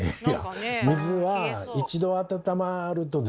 水は一度温まるとですね